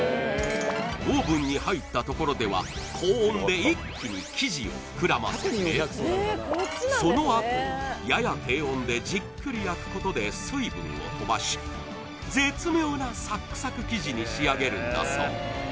オーブンに入ったところでは高温で一気に生地を膨らませてそのあとやや低温でじっくり焼くことで水分を飛ばし絶妙なサックサク生地に仕上げるんだそう